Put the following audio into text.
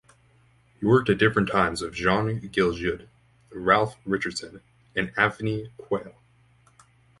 He worked at different times with John Gielgud, Ralph Richardson and Anthony Quayle.